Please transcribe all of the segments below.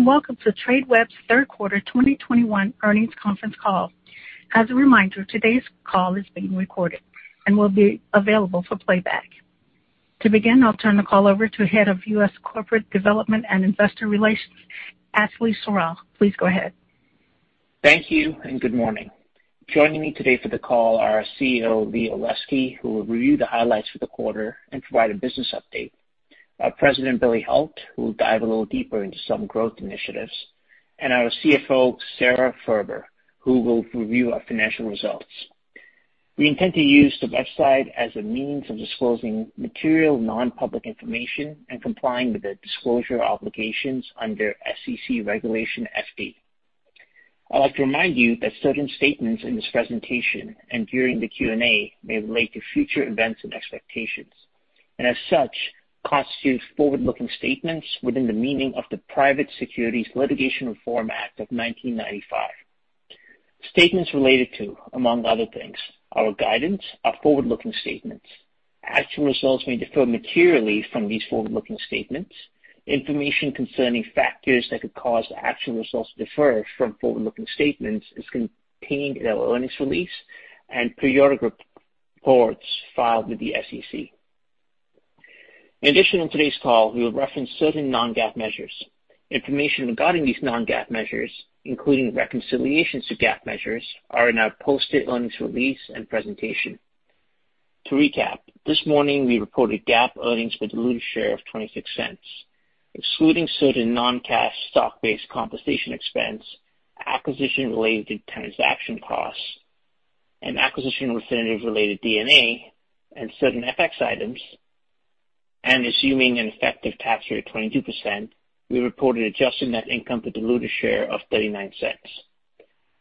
Welcome to Tradeweb's Third Quarter 2021 Earnings Conference Call. As a reminder, today's call is being recorded and will be available for playback. To begin, I'll turn the call over to Head of U.S. Corporate Development and Investor Relations, Ashley Serrao. Please go ahead. Thank you, and good morning. Joining me today for the call are our CEO, Lee Olesky, who will review the highlights for the quarter and provide a business update. Our President, Billy Hult, who will dive a little deeper into some growth initiatives. Our CFO, Sara Furber, who will review our financial results. We intend to use the website as a means of disclosing material non-public information and complying with the disclosure obligations under SEC Regulation FD. I'd like to remind you that certain statements in this presentation and during the Q&A may relate to future events and expectations, and as such, constitute forward-looking statements within the meaning of the Private Securities Litigation Reform Act of 1995. Statements related to, among other things, our guidance are forward-looking statements. Actual results may differ materially from these forward-looking statements. Information concerning factors that could cause actual results to differ from forward-looking statements is contained in our earnings release and periodic reports filed with the SEC. In addition, on today's call, we'll reference certain non-GAAP measures. Information regarding these non-GAAP measures, including reconciliations to GAAP measures, are in our posted earnings release and presentation. To recap, this morning we reported GAAP earnings with diluted share of $0.26. Excluding certain non-cash stock-based compensation expense, acquisition-related transaction costs, and acquisition refinance-related D&A, and certain FX items, and assuming an effective tax rate of 22%, we reported adjusted net income for diluted share of $0.39.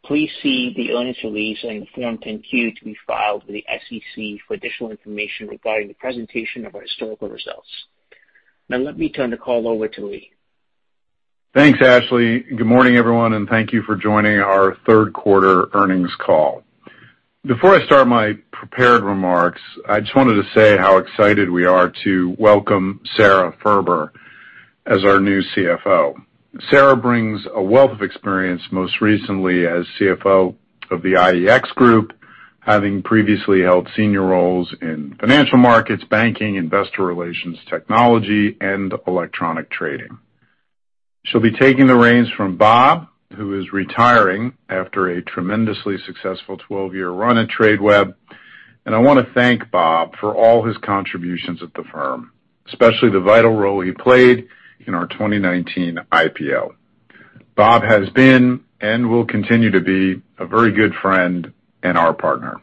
Please see the earnings release and the Form 10-Q to be filed with the SEC for additional information regarding the presentation of our historical results. Now let me turn the call over to Lee. Thanks, Ashley. Good morning, everyone, and thank you for joining our third quarter earnings call. Before I start my prepared remarks, I just wanted to say how excited we are to welcome Sara Furber as our new CFO. Sara brings a wealth of experience, most recently as CFO of the IEX Group, having previously held senior roles in financial markets, banking, investor relations, technology, and electronic trading. She'll be taking the reins from Bob, who is retiring after a tremendously successful 12-year run at Tradeweb, and I wanna thank Bob for all his contributions at the firm, especially the vital role he played in our 2019 IPO. Bob has been, and will continue to be, a very good friend and our partner.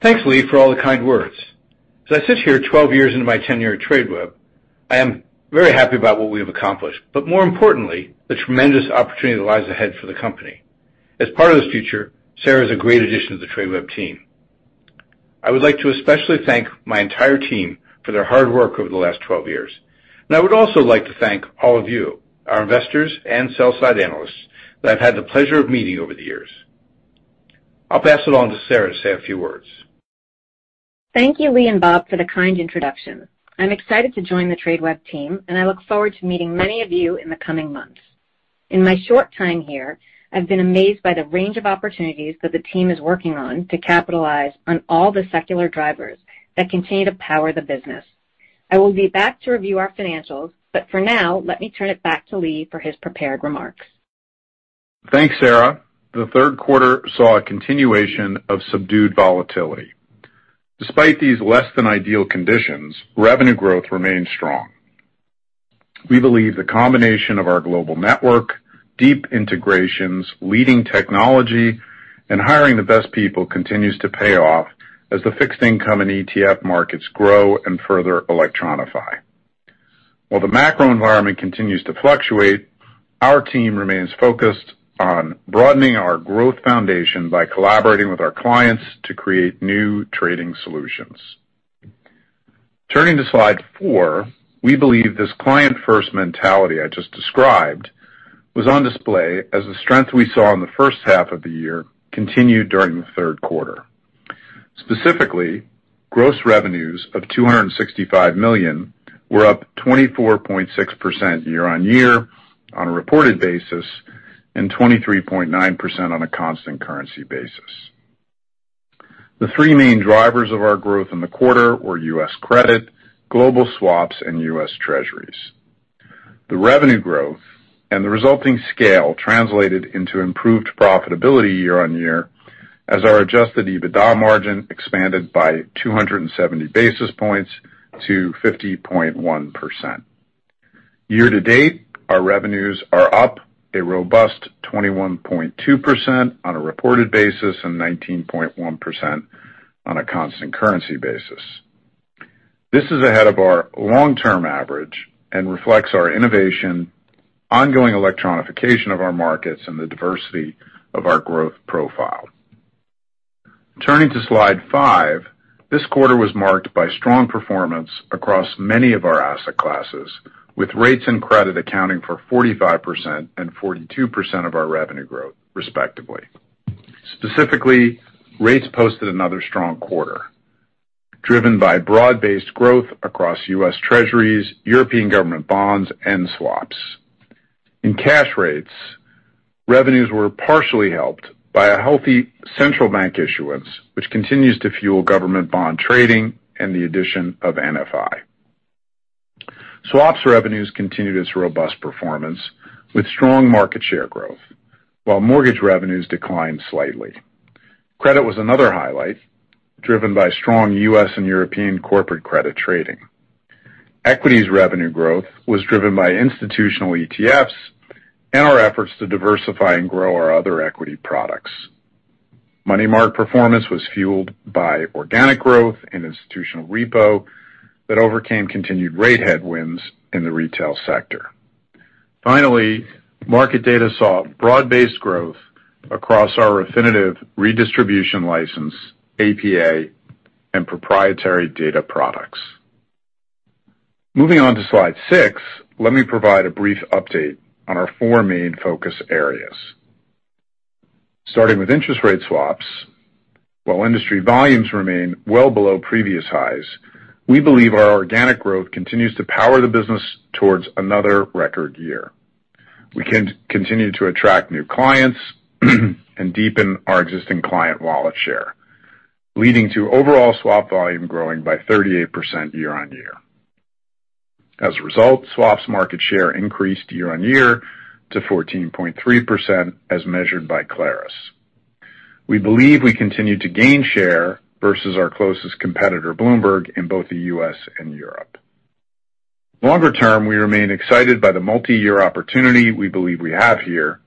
Thanks, Lee, for all the kind words. As I sit here 12 years into my tenure at Tradeweb, I am very happy about what we have accomplished, but more importantly, the tremendous opportunity that lies ahead for the company. As part of this future, Sara is a great addition to the Tradeweb team. I would like to especially thank my entire team for their hard work over the last 12 years. I would also like to thank all of you, our investors and sell-side analysts, that I've had the pleasure of meeting over the years. I'll pass it on to Sara to say a few words. Thank you, Lee and Bob, for the kind introduction. I'm excited to join the Tradeweb team, and I look forward to meeting many of you in the coming months. In my short time here, I've been amazed by the range of opportunities that the team is working on to capitalize on all the secular drivers that continue to power the business. I will be back to review our financials, but for now, let me turn it back to Lee for his prepared remarks. Thanks, Sara. The third quarter saw a continuation of subdued volatility. Despite these less than ideal conditions, revenue growth remained strong. We believe the combination of our global network, deep integrations, leading technology, and hiring the best people continues to pay off as the fixed income and ETF markets grow and further electronify. While the macro environment continues to fluctuate, our team remains focused on broadening our growth foundation by collaborating with our clients to create new trading solutions. Turning to slide four, we believe this client-first mentality I just described was on display as the strength we saw in the first half of the year continued during the third quarter. Specifically, gross revenues of $265 million were up 24.6% YoY on a reported basis and 23.9% on a constant currency basis. The three main drivers of our growth in the quarter were U.S. credit, global swaps, and U.S. Treasuries. The revenue growth and the resulting scale translated into improved profitability YoY as our Adjusted EBITDA margin expanded by 270 basis points to 50.1%. Year to date, our revenues are up a robust 21.2% on a reported basis and 19.1% on a constant currency basis. This is ahead of our long-term average and reflects our innovation, ongoing electronification of our markets, and the diversity of our growth profile. Turning to slide five, this quarter was marked by strong performance across many of our asset classes, with rates and credit accounting for 45% and 42% of our revenue growth, respectively. Specifically, rates posted another strong quarter, driven by broad-based growth across U.S. Treasuries, European government bonds, and swaps. In cash rates, revenues were partially helped by a healthy central bank issuance, which continues to fuel government bond trading and the addition of NFI. Swaps revenues continued its robust performance with strong market share growth, while mortgage revenues declined slightly. Credit was another highlight, driven by strong U.S. and European corporate credit trading. Equities revenue growth was driven by institutional ETFs and our efforts to diversify and grow our other equity products. Money market performance was fueled by organic growth and institutional repo that overcame continued rate headwinds in the retail sector. Finally, market data saw broad-based growth across our Refinitiv redistribution license, APA, and proprietary data products. Moving on to slide six, let me provide a brief update on our four main focus areas. Starting with interest rate swaps, while industry volumes remain well below previous highs, we believe our organic growth continues to power the business towards another record year. We continue to attract new clients and deepen our existing client wallet share, leading to overall swap volume growing by 38% YoY. As a result, swaps market share increased YoY to 14.3% as measured by Clarus. We believe we continue to gain share versus our closest competitor, Bloomberg, in both the U.S. and Europe. Longer term, we remain excited by the multi-year opportunity we believe we have here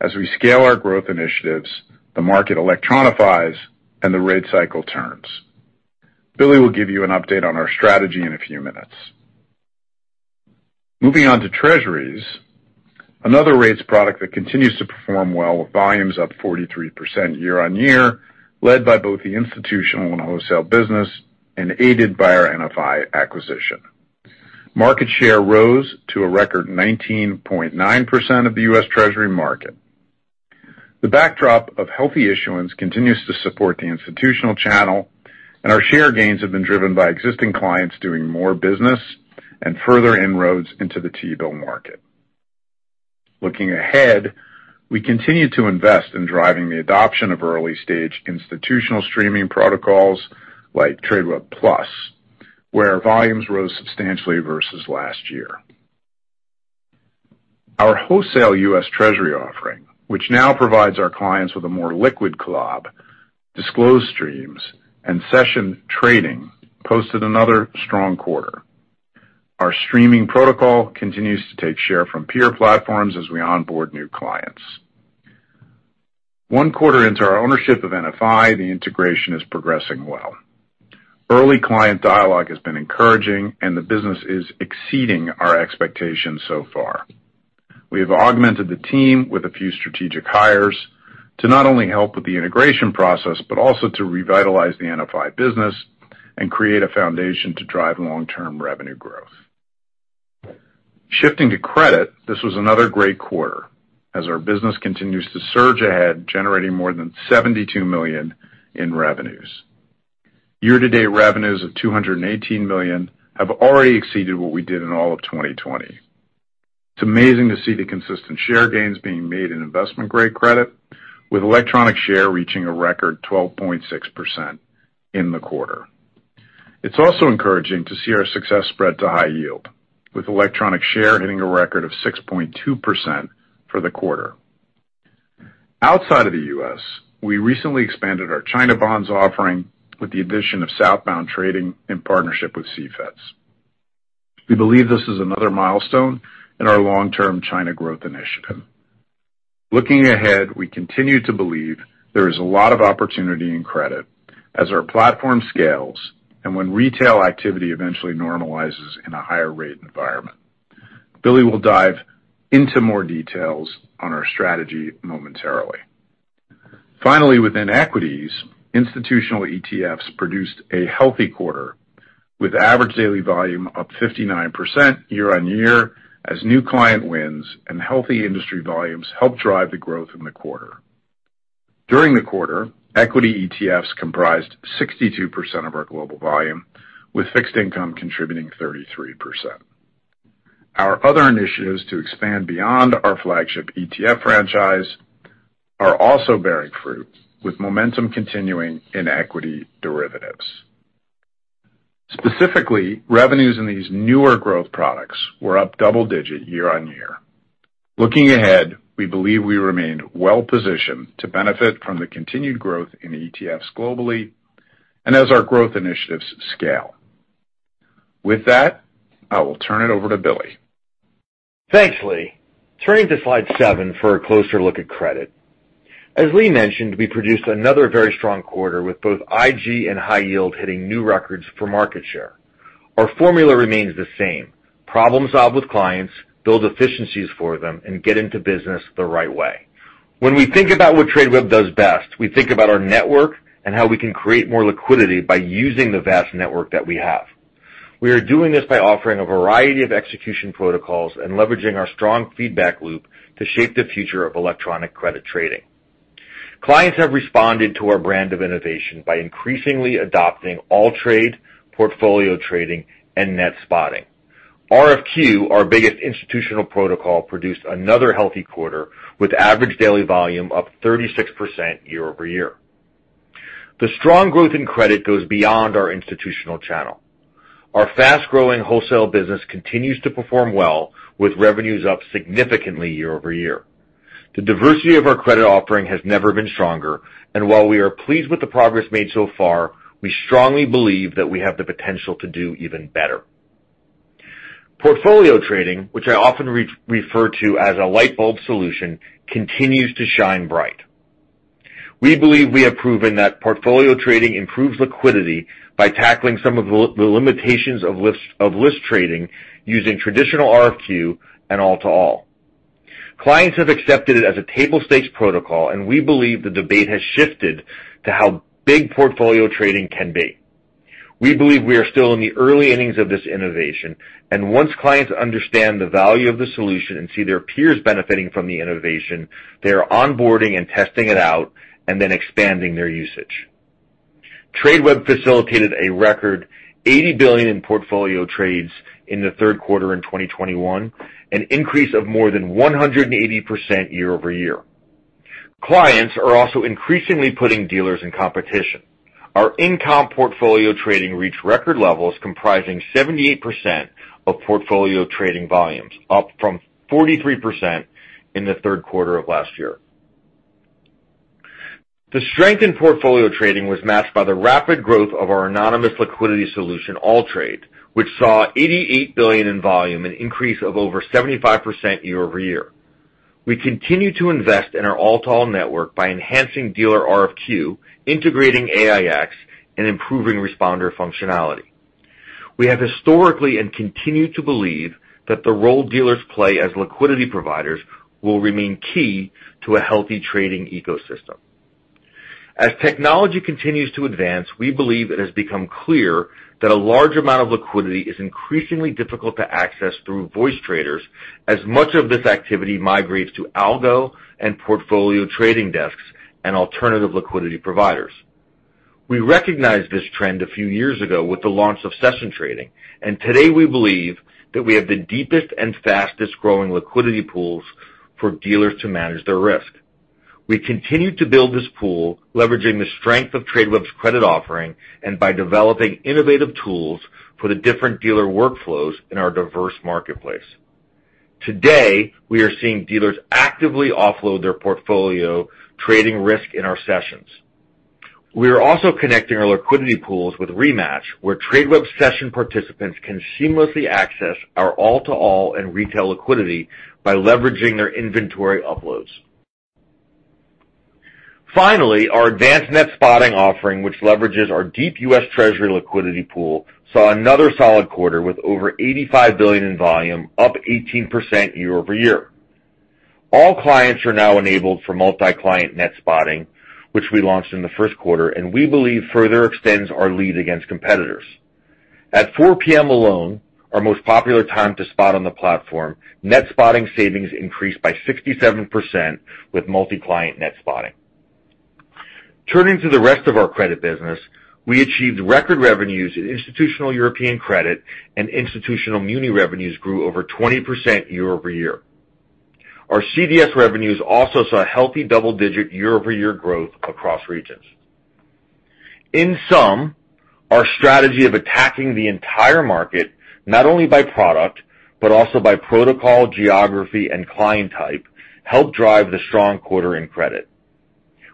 as we scale our growth initiatives, the market electronifies, and the rate cycle turns. Billy will give you an update on our strategy in a few minutes. Moving on to Treasuries, another rates product that continues to perform well with volumes up 43% YoY, led by both the institutional and wholesale business and aided by our NFI acquisition. Market share rose to a record 19.9% of the U.S. Treasury market. The backdrop of healthy issuance continues to support the institutional channel, and our share gains have been driven by existing clients doing more business and further inroads into the T-bill market. Looking ahead, we continue to invest in driving the adoption of early-stage institutional streaming protocols like Tradeweb+, where volumes rose substantially versus last year. Our wholesale U.S. Treasury offering, which now provides our clients with a more liquid AllTrade, disclosed streams, and session trading, posted another strong quarter. Our streaming protocol continues to take share from peer platforms as we onboard new clients. One quarter into our ownership of NFI, the integration is progressing well. Early client dialogue has been encouraging, and the business is exceeding our expectations so far. We have augmented the team with a few strategic hires to not only help with the integration process, but also to revitalize the NFI business and create a foundation to drive long-term revenue growth. Shifting to credit, this was another great quarter as our business continues to surge ahead, generating more than $72 million in revenues. Year-to-date revenues of $218 million have already exceeded what we did in all of 2020. It's amazing to see the consistent share gains being made in investment-grade credit, with electronic share reaching a record 12.6% in the quarter. It's also encouraging to see our success spread to high yield, with electronic share hitting a record of 6.2% for the quarter. Outside of the U.S., we recently expanded our China bonds offering with the addition of southbound trading in partnership with CFETS. We believe this is another milestone in our long-term China growth initiative. Looking ahead, we continue to believe there is a lot of opportunity in credit as our platform scales and when retail activity eventually normalizes in a higher rate environment. Billy will dive into more details on our strategy momentarily. Finally, within equities, institutional ETFs produced a healthy quarter with average daily volume up 59% YoY as new client wins and healthy industry volumes helped drive the growth in the quarter. During the quarter, equity ETFs comprised 62% of our global volume, with fixed income contributing 33%. Our other initiatives to expand beyond our flagship ETF franchise are also bearing fruit, with momentum continuing in equity derivatives. Specifically, revenues in these newer growth products were up double-digit YoY. Looking ahead, we believe we remain well-positioned to benefit from the continued growth in ETFs globally and as our growth initiatives scale. With that, I will turn it over to Billy. Thanks, Lee. Turning to slide seven for a closer look at credit. As Lee mentioned, we produced another very strong quarter, with both IG and high yield hitting new records for market share. Our formula remains the same: problem solve with clients, build efficiencies for them, and get into business the right way. When we think about what Tradeweb does best, we think about our network and how we can create more liquidity by using the vast network that we have. We are doing this by offering a variety of execution protocols and leveraging our strong feedback loop to shape the future of electronic credit trading. Clients have responded to our brand of innovation by increasingly adopting AllTrade, Portfolio Trading, and Net Spotting. RFQ, our biggest institutional protocol, produced another healthy quarter, with average daily volume up 36% YoY. The strong growth in credit goes beyond our institutional channel. Our fast-growing wholesale business continues to perform well, with revenues up significantly YoY. The diversity of our credit offering has never been stronger, and while we are pleased with the progress made so far, we strongly believe that we have the potential to do even better. Portfolio trading, which I often refer to as a light bulb solution, continues to shine bright. We believe we have proven that portfolio trading improves liquidity by tackling some of the limitations of list trading using traditional RFQ and all-to-all. Clients have accepted it as a table stakes protocol, and we believe the debate has shifted to how big portfolio trading can be. We believe we are still in the early innings of this innovation, and once clients understand the value of the solution and see their peers benefiting from the innovation, they are onboarding and testing it out, and then expanding their usage. Tradeweb facilitated a record $80 billion in portfolio trades in the third quarter in 2021, an increase of more than 180% YoY. Clients are also increasingly putting dealers in competition. Our in-comp portfolio trading reached record levels comprising 78% of portfolio trading volumes, up from 43% in the third quarter of last year. The strength in portfolio trading was matched by the rapid growth of our anonymous liquidity solution, AllTrade, which saw $88 billion in volume, an increase of over 75% YoY. We continue to invest in our all-to-all network by enhancing dealer RFQ, integrating AiEX and improving responder functionality. We have historically and continue to believe that the role dealers play as liquidity providers will remain key to a healthy trading ecosystem. As technology continues to advance, we believe it has become clear that a large amount of liquidity is increasingly difficult to access through voice traders, as much of this activity migrates to algo and portfolio trading desks and alternative liquidity providers. We recognized this trend a few years ago with the launch of session trading, and today we believe that we have the deepest and fastest-growing liquidity pools for dealers to manage their risk. We continue to build this pool, leveraging the strength of Tradeweb's credit offering and by developing innovative tools for the different dealer workflows in our diverse marketplace. Today, we are seeing dealers actively offload their portfolio trading risk in our sessions. We are also connecting our liquidity pools with Rematch, where Tradeweb session participants can seamlessly access our all-to-all and retail liquidity by leveraging their inventory uploads. Finally, our advanced Net Spotting offering, which leverages our deep U.S. Treasury liquidity pool, saw another solid quarter with over $85 billion in volume, up 18% YoY. All clients are now enabled for Multi-Client Net Spotting, which we launched in the first quarter, and we believe further extends our lead against competitors. At 4:00 P.M. alone, our most popular time to spot on the platform, Net Spotting savings increased by 67% with Multi-Client Net Spotting. Turning to the rest of our credit business, we achieved record revenues in institutional European credit and institutional muni revenues grew over 20% YoY. Our CDS revenues also saw a healthy double-digit YoY growth across regions. In sum, our strategy of attacking the entire market, not only by product, but also by protocol, geography, and client type, helped drive the strong quarter in credit.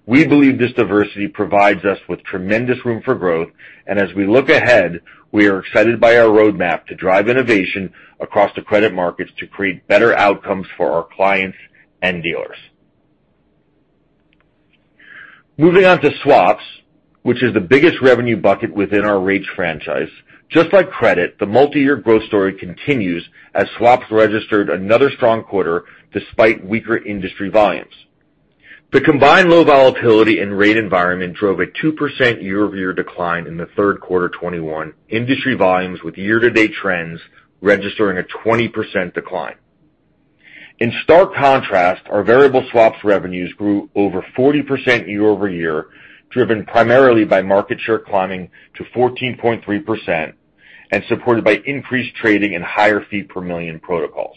We believe this diversity provides us with tremendous room for growth, and as we look ahead, we are excited by our roadmap to drive innovation across the credit markets to create better outcomes for our clients and dealers. Moving on to swaps, which is the biggest revenue bucket within our rates franchise. Just like credit, the multi-year growth story continues as swaps registered another strong quarter despite weaker industry volumes. The combined low volatility and rate environment drove a 2% YoY decline in the third quarter 2021 industry volumes, with year-to-date trends registering a 20% decline. In stark contrast, our variable swaps revenues grew over 40% YoY, driven primarily by market share climbing to 14.3% and supported by increased trading and higher fee per million protocols.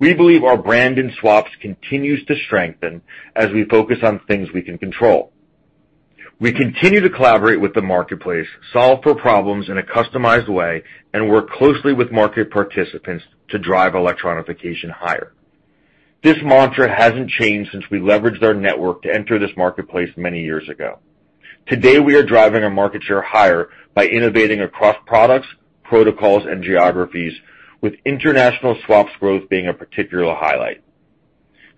We believe our brand in swaps continues to strengthen as we focus on things we can control. We continue to collaborate with the marketplace, solve for problems in a customized way, and work closely with market participants to drive electronification higher. This mantra hasn't changed since we leveraged our network to enter this marketplace many years ago. Today, we are driving our market share higher by innovating across products, protocols, and geographies, with international swaps growth being a particular highlight.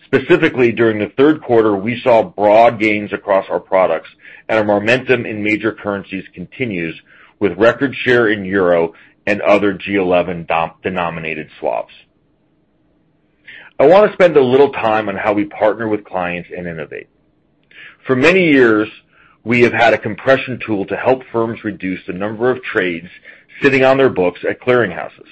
Specifically, during the third quarter, we saw broad gains across our products and our momentum in major currencies continues with record share in euro and other G10-denominated swaps. I want to spend a little time on how we partner with clients and innovate. For many years, we have had a compression tool to help firms reduce the number of trades sitting on their books at clearing houses.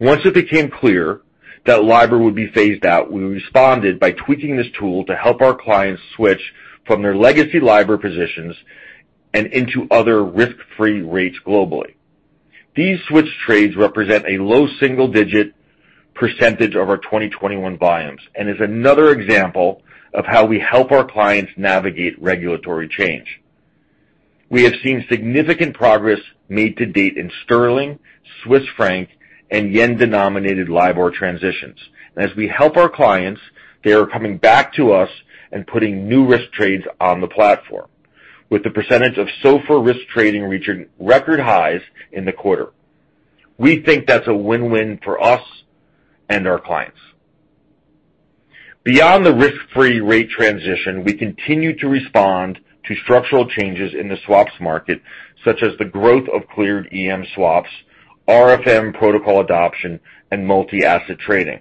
Once it became clear that LIBOR would be phased out. We responded by tweaking this tool to help our clients switch from their legacy LIBOR positions and into other risk-free rates globally. These switch trades represent a low single-digit percentage of our 2021 volumes and is another example of how we help our clients navigate regulatory change. We have seen significant progress made to date in sterling, Swiss franc, and yen-denominated LIBOR transitions. We help our clients, they are coming back to us and putting new risk trades on the platform, with the percentage of SOFR risk trading reaching record highs in the quarter. We think that's a win-win for us and our clients. Beyond the risk-free rate transition, we continue to respond to structural changes in the swaps market, such as the growth of cleared EM swaps, RFM protocol adoption, and multi-asset trading.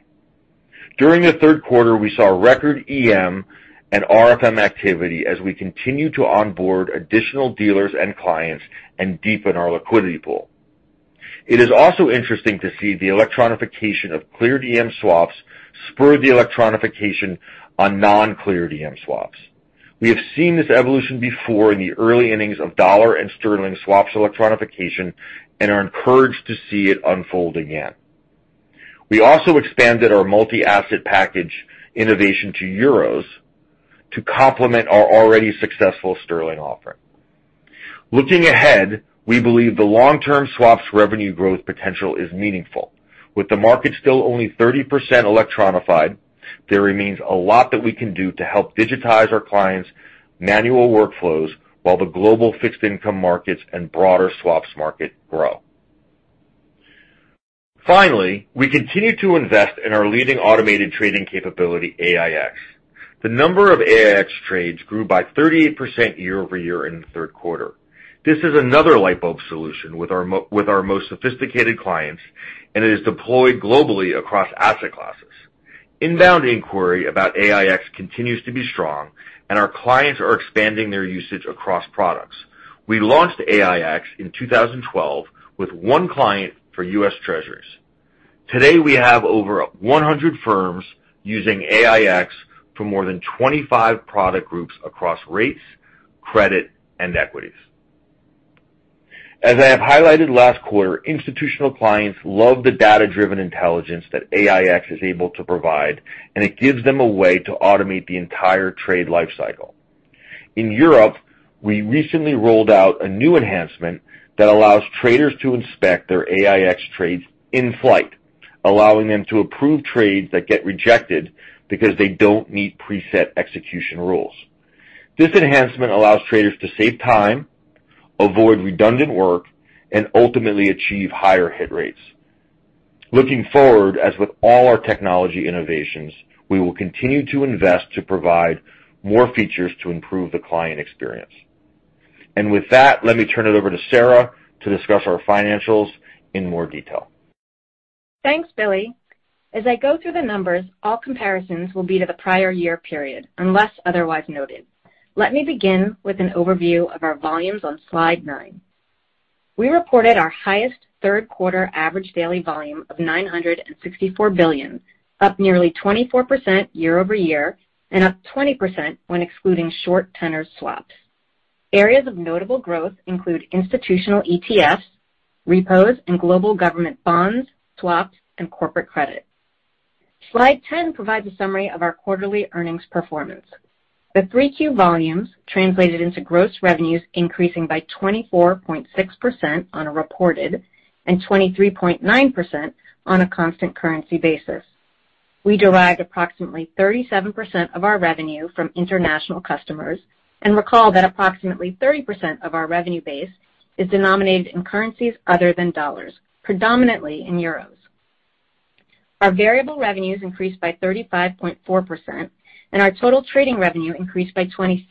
During the third quarter, we saw record EM and RFM activity as we continue to onboard additional dealers and clients and deepen our liquidity pool. It is also interesting to see the electronification of cleared EM swaps spur the electronification of non-cleared EM swaps. We have seen this evolution before in the early innings of dollar and sterling swaps electronification and are encouraged to see it unfold again. We also expanded our multi-asset package innovation to euros to complement our already successful sterling offering. Looking ahead, we believe the long-term swaps revenue growth potential is meaningful. With the market still only 30% electronified, there remains a lot that we can do to help digitize our clients' manual workflows while the global fixed income markets and broader swaps market grow. Finally, we continue to invest in our leading automated trading capability, AIX. The number of AIX trades grew by 38% YoY in the third quarter. This is another light bulb solution with our most sophisticated clients, and it is deployed globally across asset classes. Inbound inquiry about AIX continues to be strong, and our clients are expanding their usage across products. We launched AIX in 2012 with one client for U.S. Treasuries. Today, we have over 100 firms using AIX for more than 25 product groups across rates, credit, and equities. As I have highlighted last quarter, institutional clients love the data-driven intelligence that AIX is able to provide, and it gives them a way to automate the entire trade life cycle. In Europe, we recently rolled out a new enhancement that allows traders to inspect their AIX trades in flight, allowing them to approve trades that get rejected because they don't meet preset execution rules. This enhancement allows traders to save time, avoid redundant work, and ultimately achieve higher hit rates. Looking forward, as with all our technology innovations, we will continue to invest to provide more features to improve the client experience. With that, let me turn it over to Sara to discuss our financials in more detail. Thanks, Billy. As I go through the numbers, all comparisons will be to the prior year period, unless otherwise noted. Let me begin with an overview of our volumes on slide nine. We reported our highest third quarter average daily volume of 964 billion, up nearly 24% YoY and up 20% when excluding short tenor swaps. Areas of notable growth include institutional ETFs, repos, and global government bonds, swaps, and corporate credit. Slide 10 provides a summary of our quarterly earnings performance. The Q3 volumes translated into gross revenues increasing by 24.6% on a reported and 23.9% on a constant currency basis. We derived approximately 37% of our revenue from international customers, and recall that approximately 30% of our revenue base is denominated in currencies other than dollars, predominantly in euros. Our variable revenues increased by 35.4%, and our total trading revenue increased by 26%.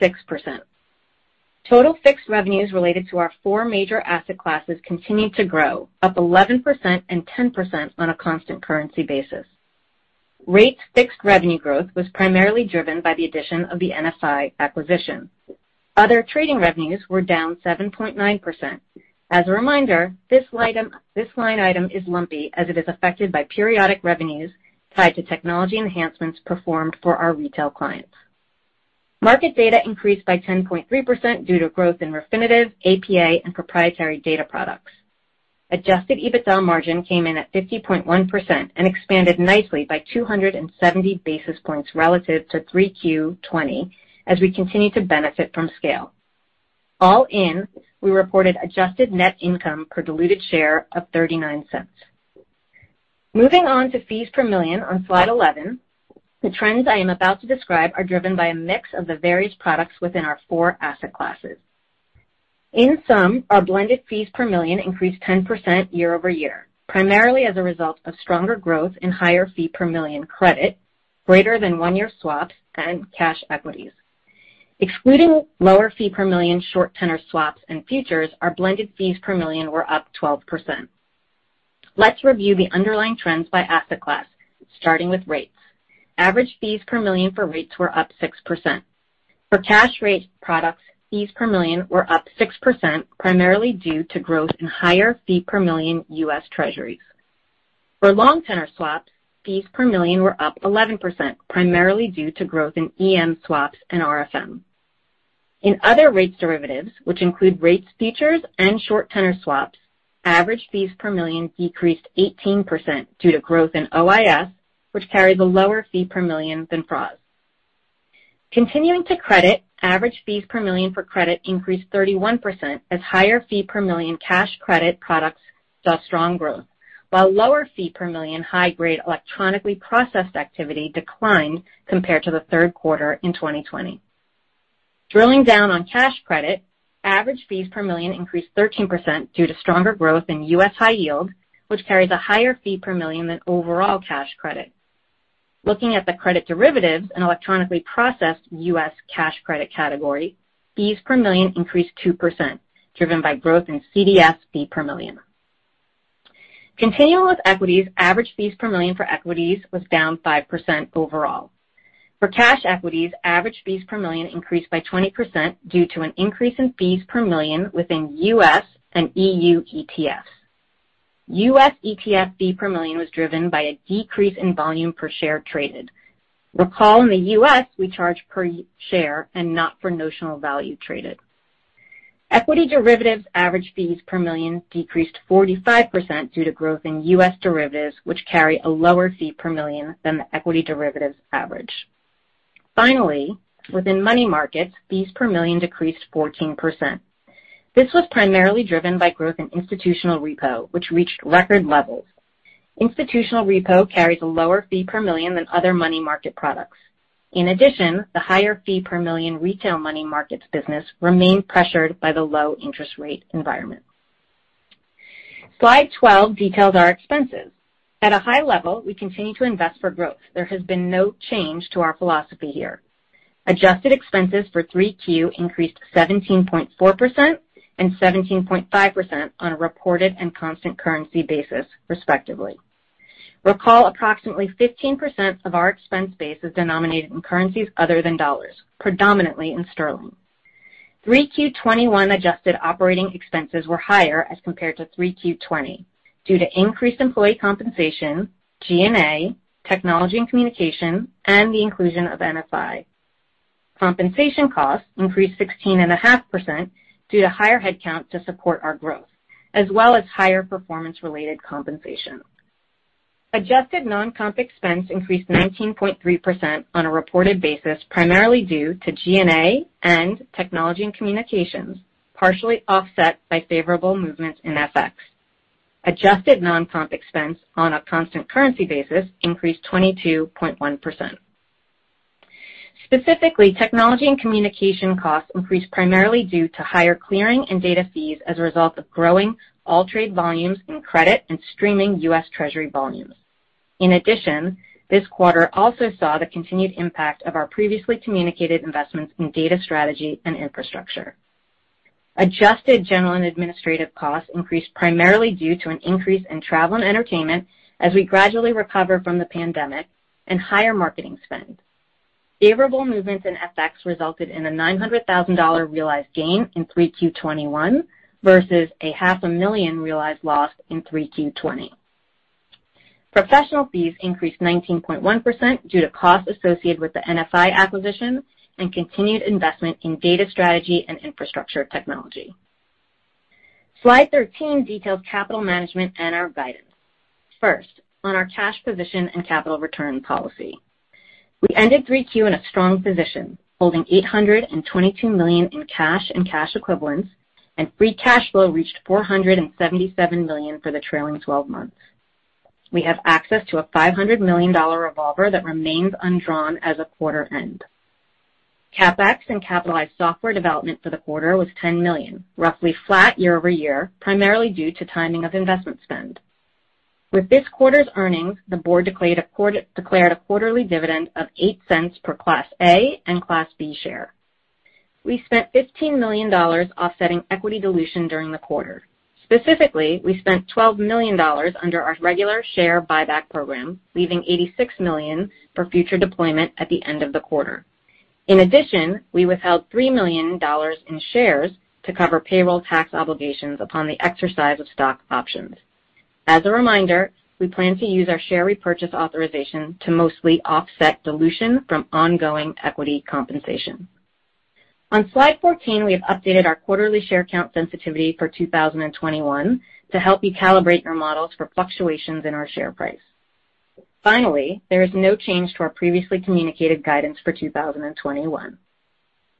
Total fixed revenues related to our four major asset classes continued to grow, up 11% and 10% on a constant currency basis. Rates fixed revenue growth was primarily driven by the addition of the NFI acquisition. Other trading revenues were down 7.9%. As a reminder, this line item is lumpy, as it is affected by periodic revenues tied to technology enhancements performed for our retail clients. Market data increased by 10.3% due to growth in Refinitiv, APA, and proprietary data products. Adjusted EBITDA margin came in at 50.1% and expanded nicely by 270 basis points relative to 3Q 2020 as we continue to benefit from scale. All in, we reported adjusted net income per diluted share of $0.39. Moving on to fees per million on slide 11. The trends I am about to describe are driven by a mix of the various products within our four asset classes. In sum, our blended fees per million increased 10% YoY, primarily as a result of stronger growth and higher fee per million credit greater than one year swaps and cash equities. Excluding lower fee per million short tenor swaps and futures, our blended fees per million were up 12%. Let's review the underlying trends by asset class, starting with rates. Average fees per million for rates were up 6%. For cash rate products, fees per million were up 6%, primarily due to growth in higher fee per million U.S. Treasuries. For long tenor swaps, fees per million were up 11%, primarily due to growth in EM swaps and RFM. In other rates derivatives, which include rates futures, and short tenor swaps, average fees per million decreased 18% due to growth in OIS, which carries a lower fee per million than FRAs. Continuing to credit, average fees per million for credit increased 31% as higher fee per million cash credit products saw strong growth, while lower fee per million high-grade electronically processed activity declined compared to the third quarter in 2020. Drilling down on cash credit, average fees per million increased 13% due to stronger growth in U.S. high yield, which carries a higher fee per million than overall cash credit. Looking at the credit derivatives and electronically processed U.S. cash credit category, fees per million increased 2%, driven by growth in CDS fee per million. Continuing with equities, average fees per million for equities was down 5% overall. For cash equities, average fees per million increased by 20% due to an increase in fees per million within U.S. and EU ETFs. U.S. ETF fee per million was driven by a decrease in volume per share traded. Recall in the U.S., we charge per share and not for notional value traded. Equity derivatives average fees per million decreased 45% due to growth in U.S. derivatives, which carry a lower fee per million than the equity derivatives average. Finally, within money markets, fees per million decreased 14%. This was primarily driven by growth in institutional repo, which reached record levels. Institutional repo carries a lower fee per million than other money market products. In addition, the higher fee per million retail money markets business remained pressured by the low interest rate environment. Slide 12 details our expenses. At a high level, we continue to invest for growth. There has been no change to our philosophy here. Adjusted expenses for 3Q increased 17.4% - 17.5% on a reported and constant currency basis, respectively. Recall, approximately 15% of our expense base is denominated in currencies other than dollars, predominantly in sterling. 3Q 2021 adjusted operating expenses were higher as compared to 3Q 2020, due to increased employee compensation, G&A, technology and communication, and the inclusion of NFI. Compensation costs increased 16.5% due to higher headcount to support our growth, as well as higher performance-related compensation. Adjusted non-comp expense increased 19.3% on a reported basis, primarily due to G&A and technology and communications, partially offset by favorable movements in FX. Adjusted non-comp expense on a constant currency basis increased 22.1%. Specifically, technology and communication costs increased primarily due to higher clearing and data fees as a result of growing AllTrade volumes in credit and streaming U.S. Treasury volumes. In addition, this quarter also saw the continued impact of our previously communicated investments in data strategy and infrastructure. Adjusted general and administrative costs increased primarily due to an increase in travel and entertainment as we gradually recover from the pandemic and higher marketing spend. Favorable movements in FX resulted in a $900,000 realized gain in 3Q 2021 versus a $500,000 realized loss in 3Q 2020. Professional fees increased 19.1% due to costs associated with the NFI acquisition and continued investment in data strategy and infrastructure technology. Slide 13 details capital management and our guidance. First, on our cash position and capital return policy. We ended 3Q in a strong position, holding $822 million in cash and cash equivalents, and free cash flow reached $477 million for the trailing twelve months. We have access to a $500 million revolver that remains undrawn as of quarter end. CapEx and capitalized software development for the quarter was $10 million, roughly flat YoY, primarily due to timing of investment spend. With this quarter's earnings, the board declared a quarterly dividend of $0.08 per Class A and Class B share. We spent $15 million offsetting equity dilution during the quarter. Specifically, we spent $12 million under our regular share buyback program, leaving $86 million for future deployment at the end of the quarter. In addition, we withheld $3 million in shares to cover payroll tax obligations upon the exercise of stock options. As a reminder, we plan to use our share repurchase authorization to mostly offset dilution from ongoing equity compensation. On slide 14, we have updated our quarterly share count sensitivity for 2021 to help you calibrate your models for fluctuations in our share price. Finally, there is no change to our previously communicated guidance for 2021.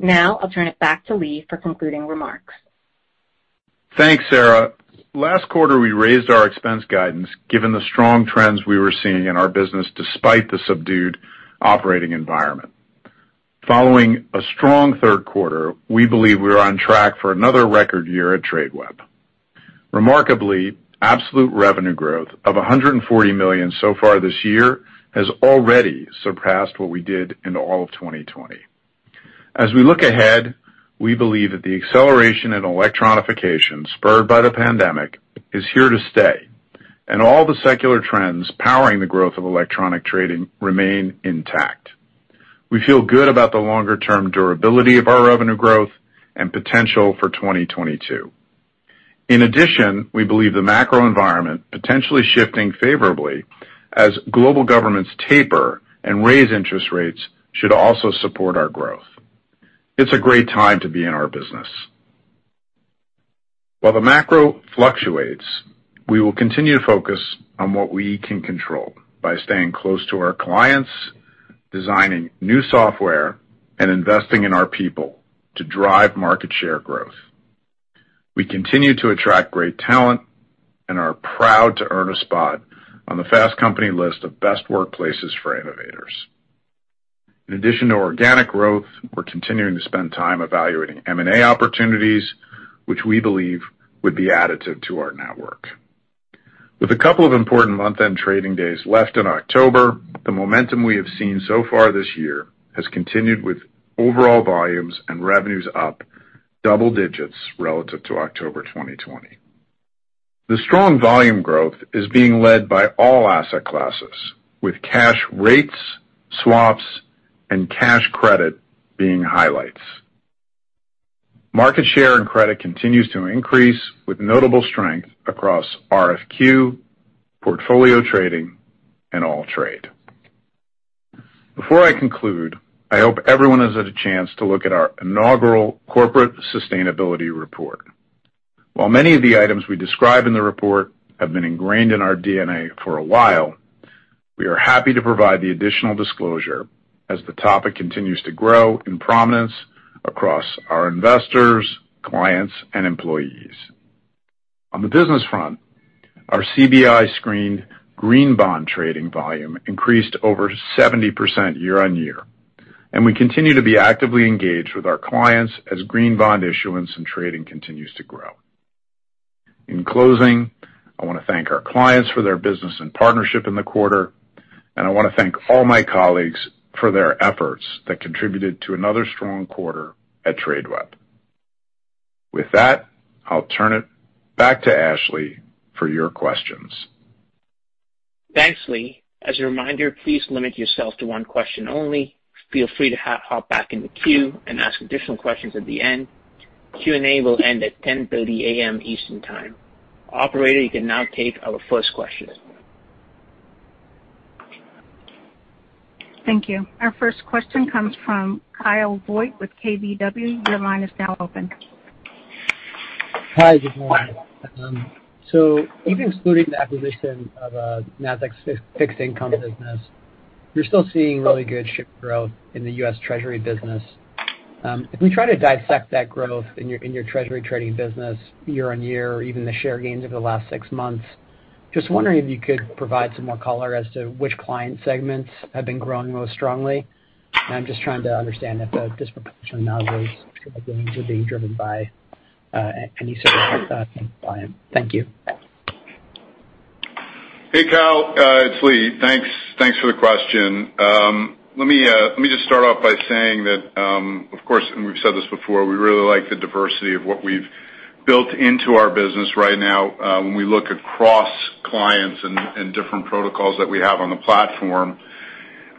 Now I'll turn it back to Lee for concluding remarks. Thanks, Sara. Last quarter, we raised our expense guidance given the strong trends we were seeing in our business despite the subdued operating environment. Following a strong third quarter, we believe we're on track for another record year at Tradeweb. Remarkably, absolute revenue growth of $140 million so far this year has already surpassed what we did in all of 2020. As we look ahead, we believe that the acceleration in electronification spurred by the pandemic is here to stay. All the secular trends powering the growth of electronic trading remain intact. We feel good about the longer-term durability of our revenue growth and potential for 2022. In addition, we believe the macro environment, potentially shifting favorably as global governments taper and raise interest rates, should also support our growth. It's a great time to be in our business. While the macro fluctuates, we will continue to focus on what we can control by staying close to our clients, designing new software, and investing in our people to drive market share growth. We continue to attract great talent and are proud to earn a spot on the Fast Company list of best workplaces for innovators. In addition to organic growth, we're continuing to spend time evaluating M&A opportunities which we believe would be additive to our network. With a couple of important month-end trading days left in October, the momentum we have seen so far this year has continued with overall volumes and revenues up double digits relative to October 2020. The strong volume growth is being led by all asset classes, with cash rates, swaps, and cash credit being highlights. Market share in credit continues to increase with notable strength across RFQ, portfolio trading, and AllTrade. Before I conclude, I hope everyone has had a chance to look at our inaugural corporate sustainability report. While many of the items we describe in the report have been ingrained in our D&A for a while, we are happy to provide the additional disclosure as the topic continues to grow in prominence across our investors, clients, and employees. On the business front, our CBI-screened green bond trading volume increased over 70% YoY, and we continue to be actively engaged with our clients as green bond issuance and trading continues to grow. In closing, I wanna thank our clients for their business and partnership in the quarter, and I wanna thank all my colleagues for their efforts that contributed to another strong quarter at Tradeweb. With that, I'll turn it back to Ashley for your questions. Thanks, Lee. As a reminder, please limit yourself to one question only. Feel free to hop back in the queue and ask additional questions at the end. Q&A will end at 10:30 A.M. Eastern Time. Operator, you can now take our first question. Thank you. Our first question comes from Kyle Voigt with KBW. Your line is now open. Hi, good morning. Even excluding the acquisition of Nasdaq's fixed income business, you're still seeing really good strong growth in the U.S. Treasury business. If we try to dissect that growth in your Treasury trading business YoY or even the share gains over the last six months, just wondering if you could provide some more color as to which client segments have been growing most strongly. I'm just trying to understand if the disproportionate margins are being driven by a certain client. Thank you. Hey, Kyle, it's Lee. Thanks for the question. Let me just start off by saying that, of course, we've said this before, we really like the diversity of what we've built into our business right now, when we look across clients and different protocols that we have on the platform.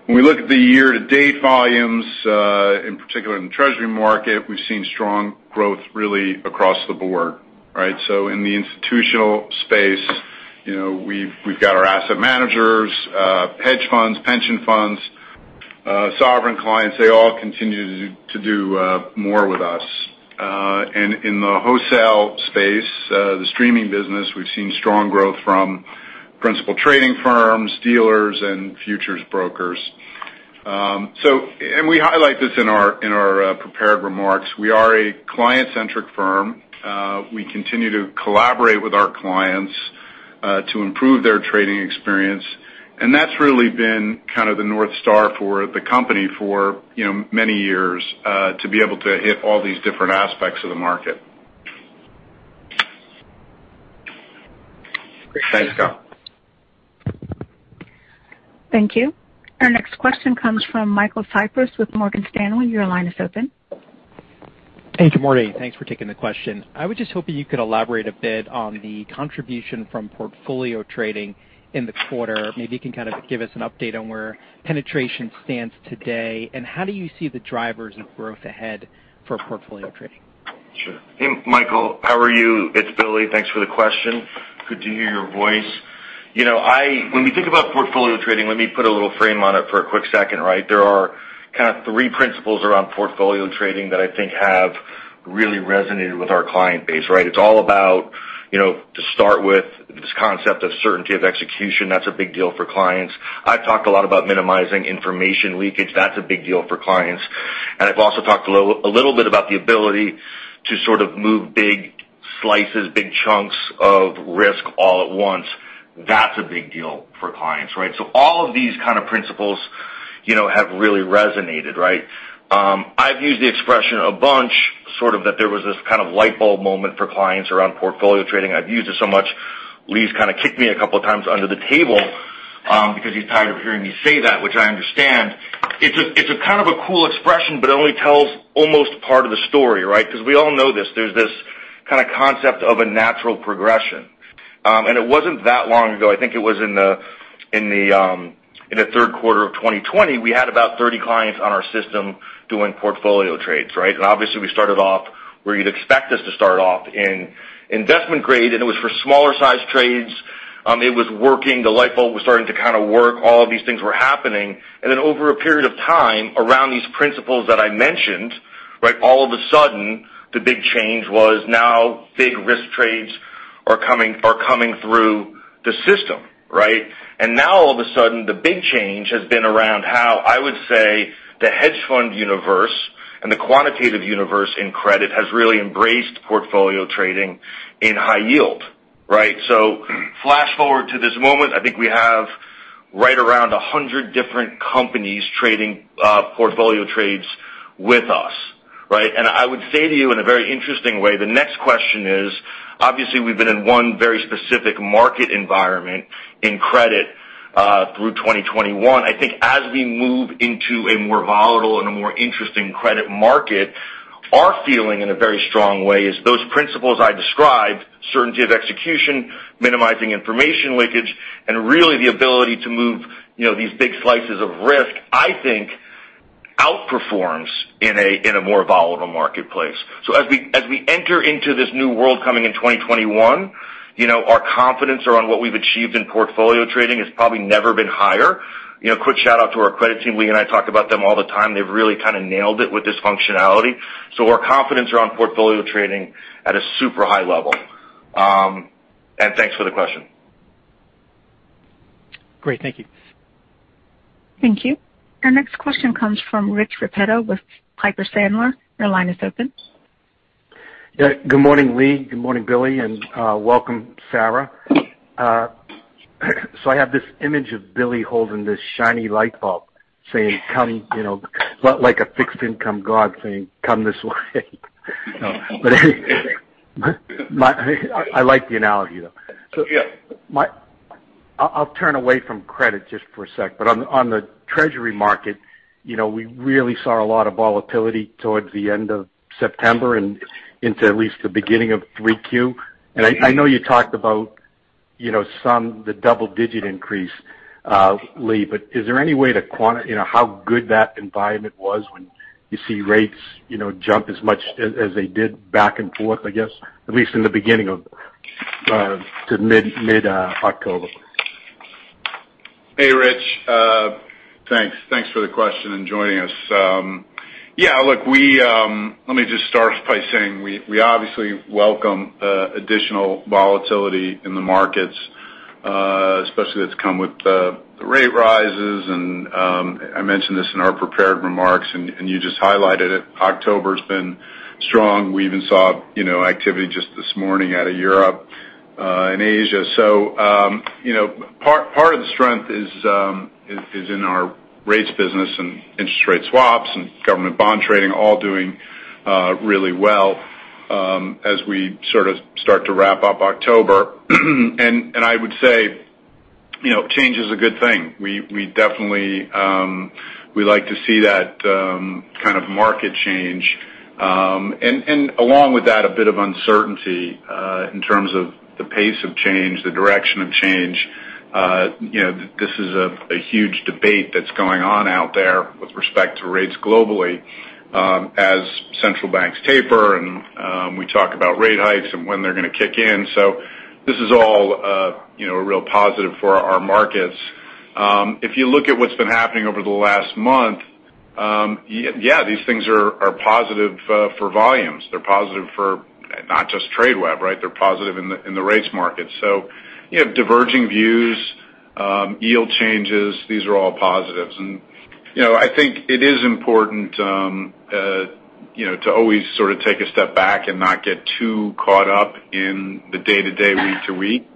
When we look at the year-to-date volumes, in particular in the Treasury market, we've seen strong growth really across the board, right? In the institutional space, you know, we've got our asset managers, hedge funds, pension funds, sovereign clients. They all continue to do more with us. In the wholesale space, the streaming business, we've seen strong growth from principal trading firms, dealers, and futures brokers. We highlight this in our prepared remarks. We are a client-centric firm. We continue to collaborate with our clients to improve their trading experience, and that's really been kind of the North Star for the company for, you know, many years, to be able to hit all these different aspects of the market. Great. Thanks, Kyle. Thank you. Our next question comes from Michael Cyprys with Morgan Stanley. Your line is open. Hey, good morning. Thanks for taking the question. I was just hoping you could elaborate a bit on the contribution from portfolio trading in the quarter. Maybe you can kind of give us an update on where penetration stands today, and how do you see the drivers of growth ahead for portfolio trading? Sure. Hey, Michael, how are you? It's Billy. Thanks for the question. Good to hear your voice. You know, when we think about portfolio trading, let me put a little frame on it for a quick second, right? There are kind of three principles around portfolio trading that I think have really resonated with our client base, right? It's all about, you know, to start with this concept of certainty of execution. That's a big deal for clients. I've talked a lot about minimizing information leakage. That's a big deal for clients. I've also talked a little bit about the ability to sort of move big slices, big chunks of risk all at once. That's a big deal for clients, right? All of these kind of principles, you know, have really resonated, right? I've used the expression a bunch, sort of that there was this kind of light bulb moment for clients around portfolio trading. I've used it so much, Lee's kinda kicked me a couple times under the table Because he's tired of hearing me say that, which I understand. It's a kind of a cool expression, but it only tells almost part of the story, right? 'Cause we all know this. There's this kinda concept of a natural progression. It wasn't that long ago, I think it was in the third quarter of 2020, we had about 30 clients on our system doing portfolio trades, right? Obviously, we started off where you'd expect us to start off in investment grade, and it was for smaller sized trades. It was working, the light bulb was starting to kinda work, all of these things were happening. Over a period of time, around these principles that I mentioned, right, all of a sudden, the big change was now big risk trades are coming through the system, right? Now all of a sudden, the big change has been around how, I would say, the hedge fund universe and the quantitative universe in credit has really embraced portfolio trading in high yield, right? Flash forward to this moment, I think we have right around 100 different companies trading, portfolio trades with us, right? I would say to you in a very interesting way, the next question is, obviously, we've been in one very specific market environment in credit, through 2021. I think as we move into a more volatile and a more interesting credit market, our feeling in a very strong way is those principles I described, certainty of execution, minimizing information leakage, and really the ability to move, you know, these big slices of risk, I think outperforms in a more volatile marketplace. As we enter into this new world coming in 2021, you know, our confidence around what we've achieved in portfolio trading has probably never been higher. You know, quick shout-out to our credit team. Lee and I talk about them all the time. They've really kinda nailed it with this functionality. Our confidence around portfolio trading at a super high level. Thanks for the question. Great. Thank you. Thank you. Our next question comes from Rich Repetto with Piper Sandler. Your line is open. Yeah. Good morning, Lee. Good morning, Billy, and welcome, Sara. I have this image of Billy holding this shiny light bulb saying, "Come," you know, like a fixed income god saying, "Come this way." I like the analogy, though. Yeah. I'll turn away from credit just for a sec. On the Treasury market, you know, we really saw a lot of volatility towards the end of September and into at least the beginning of 3Q. I know you talked about, you know, the double-digit increase, Lee, but is there any way to quantify, you know, how good that environment was when you see rates, you know, jump as much as they did back and forth, I guess, at least in the beginning to mid-October? Hey, Rich. Thanks for the question and joining us. Yeah, look, let me just start by saying we obviously welcome additional volatility in the markets, especially that's come with the rate rises. I mentioned this in our prepared remarks, and you just highlighted it. October's been strong. We even saw, you know, activity just this morning out of Europe and Asia. You know, part of the strength is in our rates business and interest rate swaps and government bond trading all doing really well, as we sort of start to wrap up October. I would say, you know, change is a good thing. We definitely like to see that kind of market change. Along with that, a bit of uncertainty in terms of the pace of change, the direction of change. You know, this is a huge debate that's going on out there with respect to rates globally, as central banks taper and we talk about rate hikes and when they're gonna kick in. This is all, you know, a real positive for our markets. If you look at what's been happening over the last month, yeah, these things are positive for volumes. They're positive for not just Tradeweb, right? They're positive in the rates market. You know, diverging views, yield changes, these are all positives. You know, I think it is important to always sort of take a step back and not get too caught up in the day-to-day, week-to-week,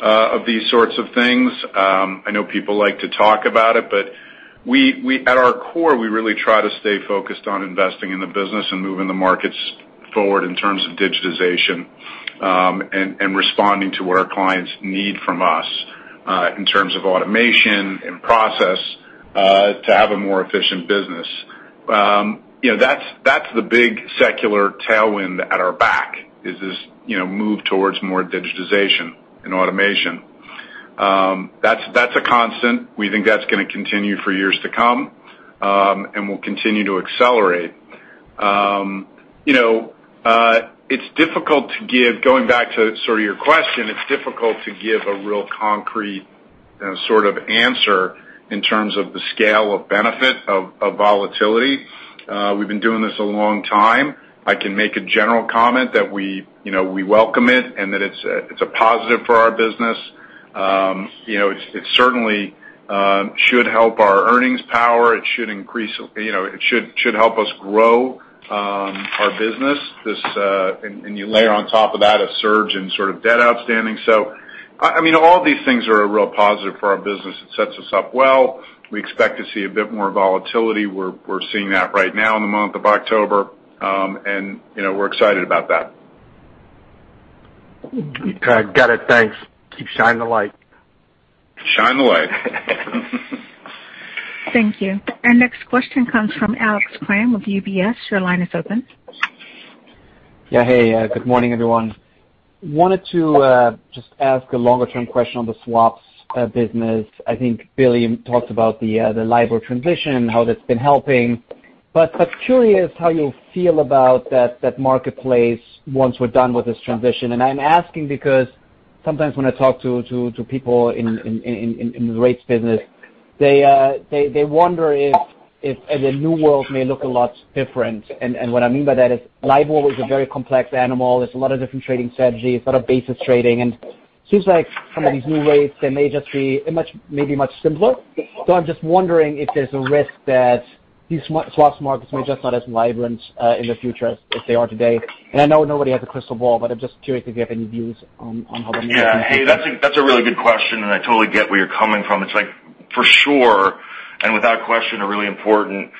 of these sorts of things. I know people like to talk about it, but we at our core, we really try to stay focused on investing in the business and moving the markets forward in terms of digitization, and responding to what our clients need from us, in terms of automation and process, to have a more efficient business. You know, that's the big secular tailwind at our back, is this, you know, move towards more digitization and automation. That's a constant. We think that's gonna continue for years to come, and will continue to accelerate. You know, it's difficult to give. Going back to sort of your question, it's difficult to give a real concrete, sort of answer in terms of the scale of benefit of volatility. We've been doing this a long time. I can make a general comment that we, you know, we welcome it and that it's a positive for our business. You know, it certainly should help our earnings power. It should increase, you know, it should help us grow our business. You layer on top of that a surge in sort of debt outstanding. I mean, all these things are a real positive for our business. It sets us up well. We expect to see a bit more volatility. We're seeing that right now in the month of October. You know, we're excited about that. Got it. Thanks. Keep shining the light. Shine the light. Thank you. Our next question comes from Alex Kramm of UBS. Your line is open. Hey, good morning, everyone. Wanted to just ask a longer-term question on the swaps business. I think Billy talked about the LIBOR transition, how that's been helping. Curious how you feel about that marketplace once we're done with this transition. I'm asking because sometimes when I talk to people in the rates business, they wonder if the new world may look a lot different. What I mean by that is LIBOR world is a very complex animal. There's a lot of different trading strategies, a lot of basis trading, and seems like some of these new rates, they may just be much simpler. I'm just wondering if there's a risk that these swaps markets may just not as vibrant in the future as they are today. I know nobody has a crystal ball, but I'm just curious if you have any views on how that might- Yeah. Hey, that's a really good question, and I totally get where you're coming from. It's like for sure, and without question, a really important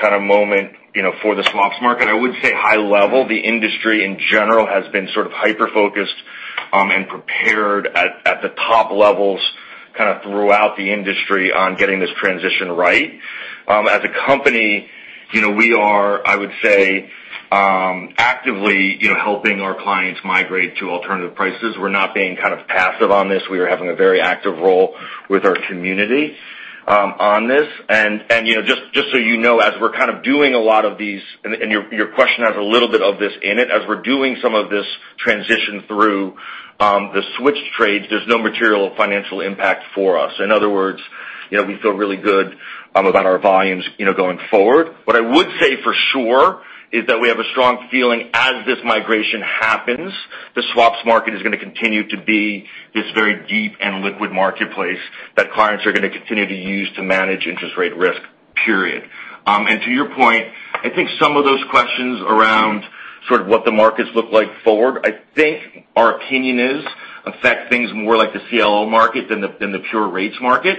kind of moment, you know, for the swaps market. I would say high level, the industry in general has been sort of hyper-focused and prepared at the top levels kind of throughout the industry on getting this transition right. As a company, you know, we are, I would say, actively, you know, helping our clients migrate to alternative prices. We're not being kind of passive on this. We are having a very active role with our community on this. You know, just so you know, as we're kind of doing a lot of these and your question has a little bit of this in it. As we're doing some of this transition through the switch trades, there's no material financial impact for us. In other words, you know, we feel really good about our volumes, you know, going forward. What I would say for sure is that we have a strong feeling as this migration happens, the swaps market is gonna continue to be this very deep and liquid marketplace that clients are gonna continue to use to manage interest rate risk, period. To your point, I think some of those questions around sort of what the markets look like forward, I think our opinion is affect things more like the CLO market than the pure rates market.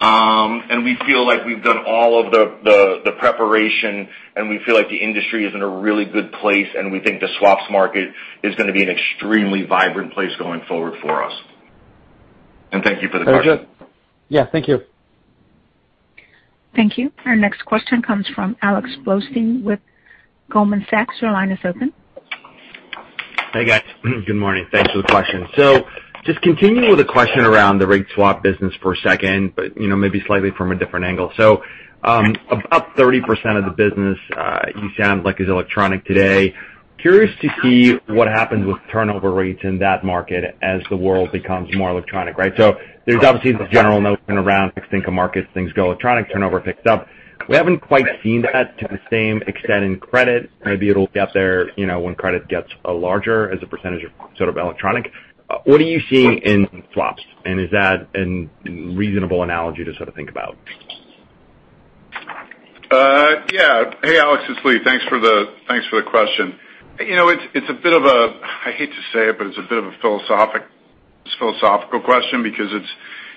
We feel like we've done all of the preparation, and we feel like the industry is in a really good place, and we think the swaps market is gonna be an extremely vibrant place going forward for us. Thank you for the question. Very good. Yeah. Thank you. Thank you. Our next question comes from Alex Blostein with Goldman Sachs. Your line is open. Hey, guys. Good morning. Thanks for the question. Just continuing with the question around the rate swap business for a second, but, you know, maybe slightly from a different angle. About 30% of the business, you said is electronic today. Curious to see what happens with turnover rates in that market as the world becomes more electronic, right? There's obviously this general notion. Think of markets, things go electronic, turnover picks up. We haven't quite seen that to the same extent in credit. Maybe it'll get there, you know, when credit gets larger as a percentage of sort of electronic. What are you seeing in swaps? And is that a reasonable analogy to sort of think about? Hey, Alex, it's Lee. Thanks for the question. You know, it's a bit of a, I hate to say it, but it's a bit of a philosophical question because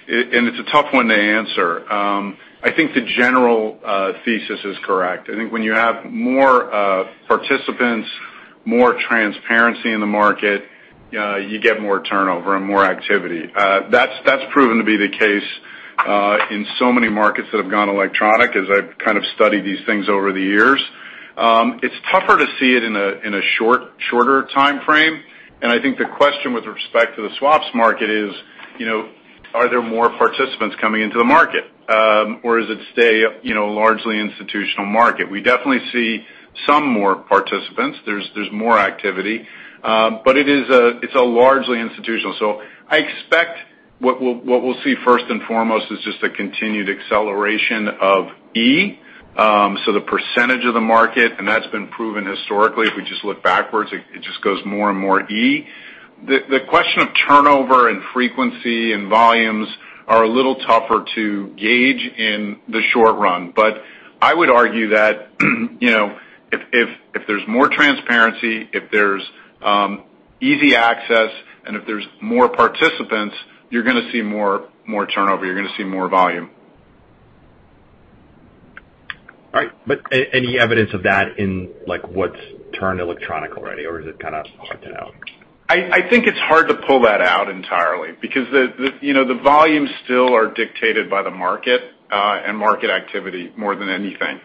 it's a tough one to answer. I think the general thesis is correct. I think when you have more participants, more transparency in the market, you get more turnover and more activity. That's proven to be the case in so many markets that have gone electronic as I've kind of studied these things over the years. It's tougher to see it in a shorter timeframe, and I think the question with respect to the swaps market is, you know, are there more participants coming into the market, or does it stay, you know, largely institutional market? We definitely see some more participants. There's more activity, but it's a largely institutional. I expect what we'll see first and foremost is just a continued acceleration of E, so the percentage of the market, and that's been proven historically, if we just look backwards, it just goes more and more E. The question of turnover and frequency and volumes are a little tougher to gauge in the short run. I would argue that, you know, if there's more transparency, if there's easy access, and if there's more participants, you're gonna see more turnover, you're gonna see more volume. All right. Any evidence of that in, like, what's turned electronic already, or is it kind of hard to know? I think it's hard to pull that out entirely because the you know, the volumes still are dictated by the market and market activity more than anything.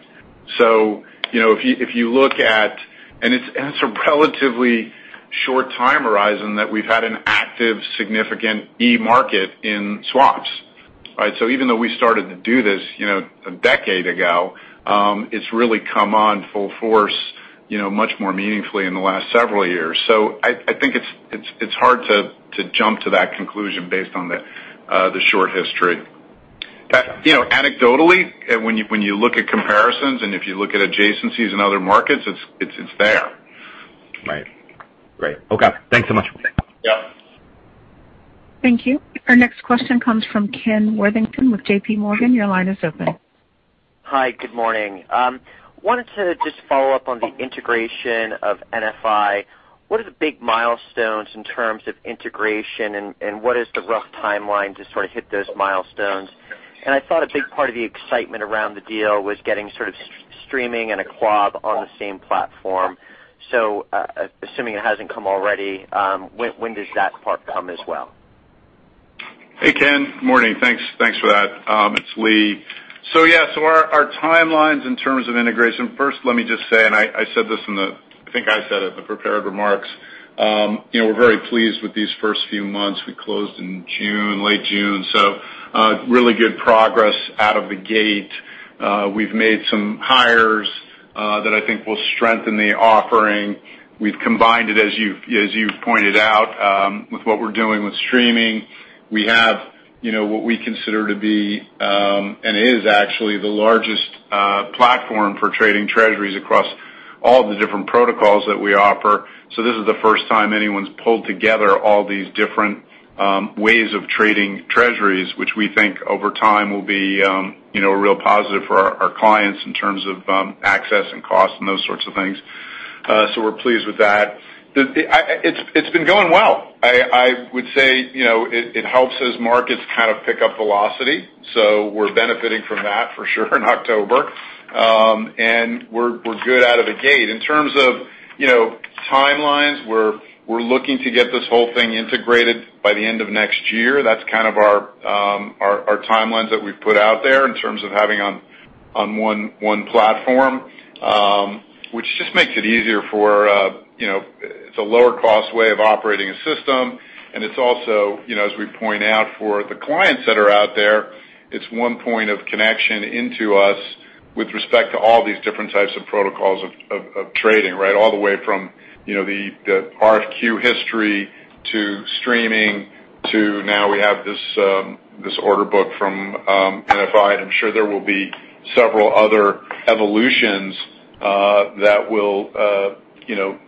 You know, if you look at, it's a relatively short time horizon that we've had an active, significant e-market in swaps. Right? Even though we started to do this you know, a decade ago, it's really come on full force you know, much more meaningfully in the last several years. I think it's hard to jump to that conclusion based on the short history. You know, anecdotally, when you look at comparisons and if you look at adjacencies in other markets, it's there. Right. Great. Okay. Thanks so much. Yeah. Thank you. Our next question comes from Ken Worthington with JPMorgan. Your line is open. Hi. Good morning. Wanted to just follow up on the integration of NFI. What are the big milestones in terms of integration, and what is the rough timeline to sort of hit those milestones? I thought a big part of the excitement around the deal was getting sort of streaming and AllTrade on the same platform. Assuming it hasn't come already, when does that part come as well? Hey, Ken. Morning. Thanks for that. It's Lee. Yeah, our timelines in terms of integration. First, let me just say, I said this in the prepared remarks. You know, we're very pleased with these first few months. We closed in June, late June, really good progress out of the gate. We've made some hires that I think will strengthen the offering. We've combined it, as you've pointed out, with what we're doing with streaming. We have what we consider to be, and it is actually the largest platform for trading Treasuries across all the different protocols that we offer. This is the first time anyone's pulled together all these different ways of trading Treasuries, which we think over time will be, you know, a real positive for our clients in terms of access and cost and those sorts of things. We're pleased with that. It's been going well. I would say, you know, it helps as markets kind of pick up velocity, so we're benefiting from that for sure in October. We're good out of the gate. In terms of, you know, timelines, we're looking to get this whole thing integrated by the end of next year. That's kind of our timelines that we've put out there in terms of having on one platform, which just makes it easier for, you know. It's a lower cost way of operating a system, and it's also, you know, as we point out for the clients that are out there, it's one point of connection into us with respect to all these different types of protocols of trading, right? All the way from, you know, the RFQ history to streaming to now we have this order book from NFI. I'm sure there will be several other evolutions that will, you know,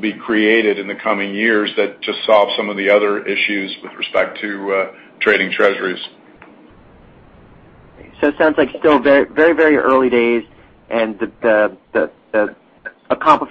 be created in the coming years that just solve some of the other issues with respect to trading Treasuries. It sounds like still very, very early days, and the accomplishment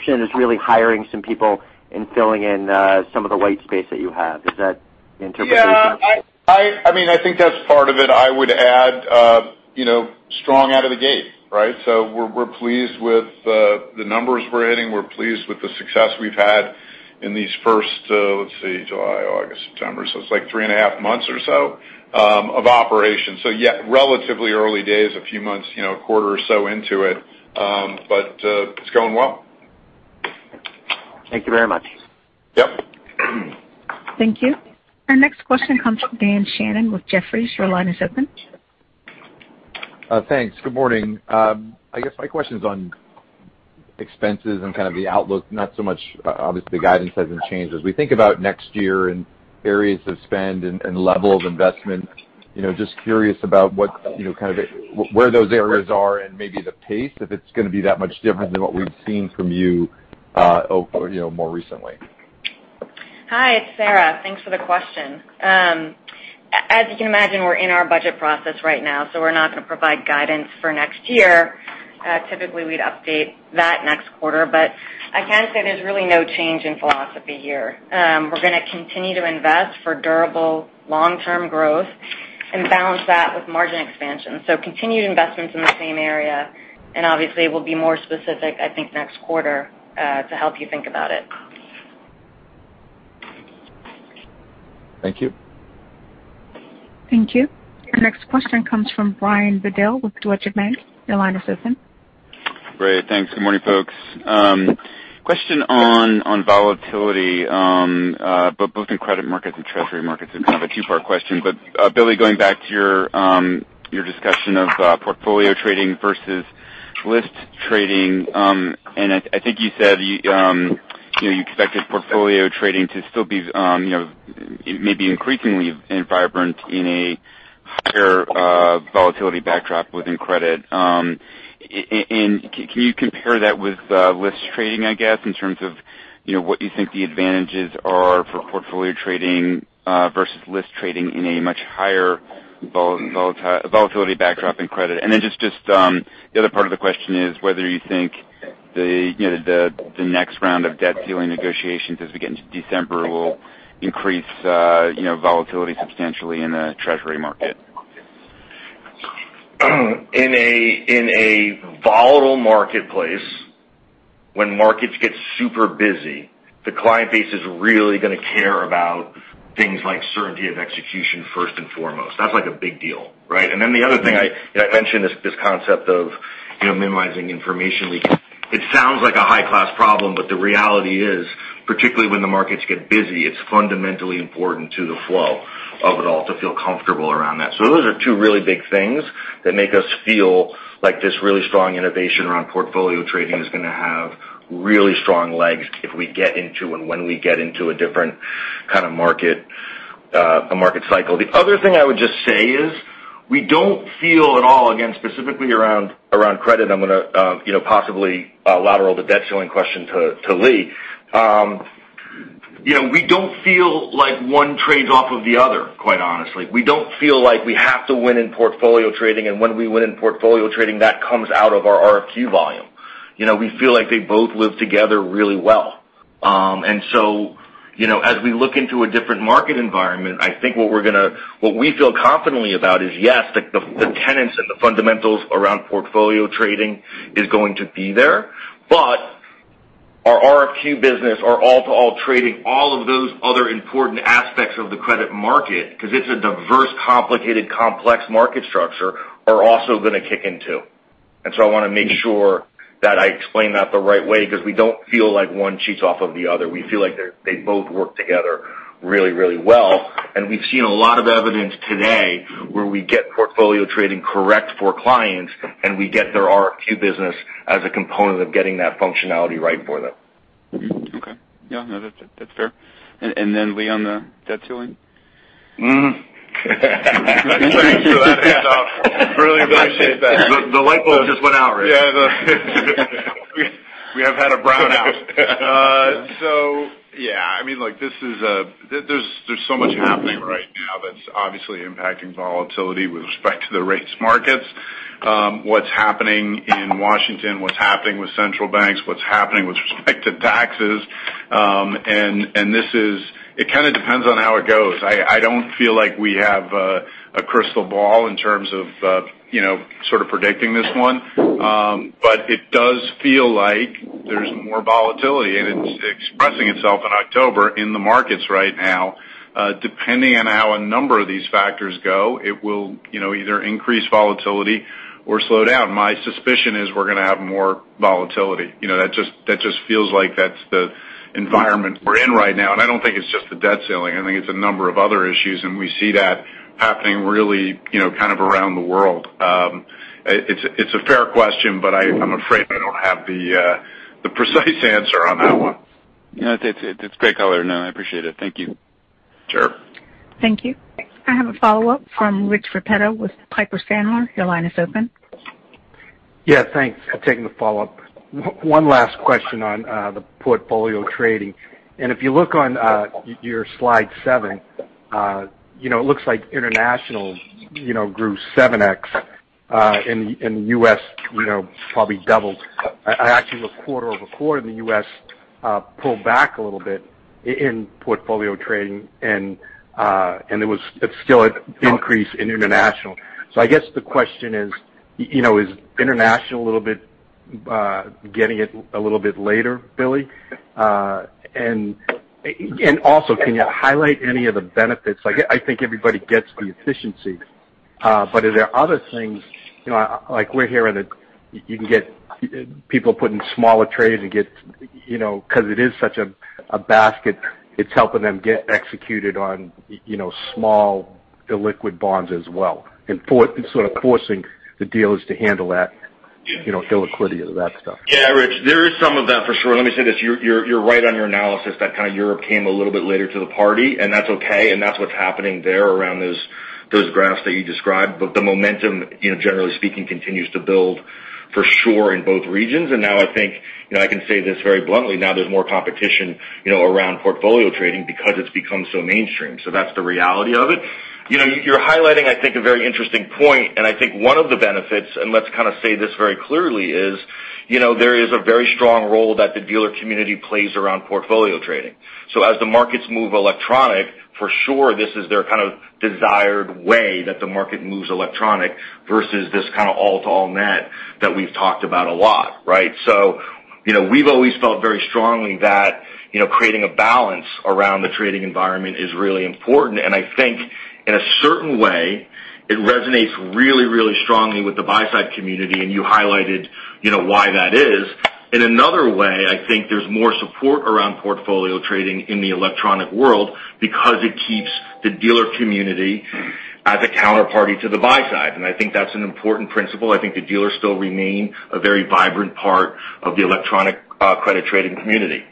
is really hiring some people and filling in some of the white space that you have. Is that the interpretation? Yeah. I mean, I think that's part of it. I would add, you know, strong out of the gate, right? We're pleased with the numbers we're hitting. We're pleased with the success we've had in these first, let's see, July, August, September, so it's like 3.5 months or so of operation. Yeah, relatively early days, a few months, you know, a quarter or so into it. It's going well. Thank you very much. Yep. Thank you. Our next question comes from Dan Fannon with Jefferies. Your line is open. Thanks. Good morning. I guess my question's on expenses and kind of the outlook, not so much. Obviously, the guidance hasn't changed. As we think about next year and areas of spend and level of investment, you know, just curious about what's, you know, kind of where those areas are and maybe the pace, if it's gonna be that much different than what we've seen from you know, more recently. Hi, it's Sara. Thanks for the question. As you can imagine, we're in our budget process right now, so we're not gonna provide guidance for next year. Typically, we'd update that next quarter. I can say there's really no change in philosophy here. We're gonna continue to invest for durable long-term growth and balance that with margin expansion. Continued investments in the same area, and obviously, we'll be more specific, I think, next quarter, to help you think about it. Thank you. Thank you. Our next question comes from Brian Bedell with Deutsche Bank. Your line is open. Great. Thanks. Good morning, folks. Question on volatility both in credit markets and treasury markets and kind of a two-part question. Billy, going back to your discussion of portfolio trading versus list trading, and I think you said you know you expected portfolio trading to still be you know maybe increasingly vibrant in a higher volatility backdrop within credit. Can you compare that with list trading, I guess, in terms of you know what you think the advantages are for portfolio trading versus list trading in a much higher volatility backdrop in credit? Just the other part of the question is whether you think the, you know, the next round of debt ceiling negotiations as we get into December will increase, you know, volatility substantially in the Treasury market. In a volatile marketplace, when markets get super busy, the client base is really gonna care about things like certainty of execution first and foremost. That's like a big deal, right? Then the other thing I mentioned is this concept of, you know, minimizing information leakage. It sounds like a high-class problem, but the reality is, particularly when the markets get busy, it's fundamentally important to the flow of it all to feel comfortable around that. Those are two really big things that make us feel like this really strong innovation around portfolio trading is gonna have really strong legs if we get into and when we get into a different kind of market, a market cycle. The other thing I would just say is we don't feel at all, again, specifically around credit. I'm gonna you know possibly lateral the debt ceiling question to Lee. You know, we don't feel like one trades off of the other, quite honestly. We don't feel like we have to win in portfolio trading, and when we win in portfolio trading, that comes out of our RFQ volume. You know, we feel like they both work together really well. And so you know, as we look into a different market environment, I think what we feel confidently about is, yes, the tenets and the fundamentals around portfolio trading is going to be there. But our RFQ business, our all-to-all trading, all of those other important aspects of the credit market, 'cause it's a diverse, complicated, complex market structure, are also gonna kick in too. I wanna make sure that I explain that the right way, 'cause we don't feel like one feeds off of the other. We feel like they both work together really, really well, and we've seen a lot of evidence today where we get portfolio trading correct for clients, and we get their RFQ business as a component of getting that functionality right for them. Okay. Yeah, no, that's fair. Lee, on the debt ceiling? Thanks for that handout. Really appreciate that. The light bulb just went out, Rich. Yeah, the... We have had a brownout. There's so much happening right now that's obviously impacting volatility with respect to the rates markets. What's happening in Washington, what's happening with central banks, what's happening with respect to taxes, and it kind of depends on how it goes. I don't feel like we have a crystal ball in terms of you know, sort of predicting this one. It does feel like there's more volatility, and it's expressing itself in October in the markets right now. Depending on how a number of these factors go, it will you know, either increase volatility or slow down. My suspicion is we're gonna have more volatility. You know, that just feels like that's the environment we're in right now. I don't think it's just the debt ceiling. I think it's a number of other issues, and we see that happening really, you know, kind of around the world. It's a fair question, but I'm afraid I don't have the precise answer on that one. You know, it's great color. No, I appreciate it. Thank you. Sure. Thank you. I have a follow-up from Rich Repetto with Piper Sandler. Your line is open. Yeah. Thanks for taking the follow-up. One last question on the portfolio trading. If you look on your slide seven, you know, it looks like international grew 7x, and U.S. probably doubled. Actually, looking QoQ, the U.S. pulled back a little bit in portfolio trading, and it's still an increase in international. I guess the question is, you know, is international getting it a little bit later, Billy? Also, can you highlight any of the benefits? Like, I think everybody gets the efficiency. Are there other things, you know, like we're hearing that you can get people putting smaller trades and get, you know, 'cause it is such a basket, it's helping them get executed on, you know, small illiquid bonds as well, sort of forcing the dealers to handle that, you know, illiquidity of that stuff. Yeah, Rich, there is some of that, for sure. Let me say this, you're right on your analysis that kind of Europe came a little bit later to the party, and that's okay, and that's what's happening there around those graphs that you described. The momentum, you know, generally speaking, continues to build for sure in both regions. Now I think, you know, I can say this very bluntly, now there's more competition, you know, around portfolio trading because it's become so mainstream. That's the reality of it. You know, you're highlighting, I think, a very interesting point, and I think one of the benefits, and let's kind of say this very clearly, is, you know, there is a very strong role that the dealer community plays around portfolio trading. As the markets move electronic, for sure this is their kind of desired way that the market moves electronic versus this kind of all-to-all net that we've talked about a lot, right? You know, we've always felt very strongly that, you know, creating a balance around the trading environment is really important. I think in a certain way, it resonates really, really strongly with the buy side community, and you highlighted, you know, why that is. In another way, I think there's more support around portfolio trading in the electronic world because it keeps the dealer community as a counterparty to the buy side. I think that's an important principle. I think the dealers still remain a very vibrant part of the electronic credit trading community.